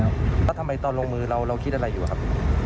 แล้วทำไมตอนลงมือเราคิดอะไรอยู่ครับ